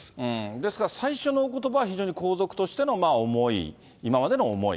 ですから、最初のおことばは非常に皇族としての思い、今までの思い。